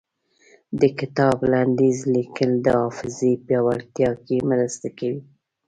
د کتاب لنډيز ليکل د حافظې پياوړتيا کې مرسته کوي.